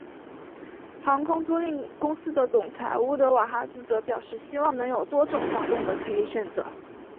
航空租赁公司的总裁乌德瓦哈兹则表示希望能有多种发动的可以选择。